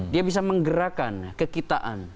dia bisa menggerakkan ke kitaan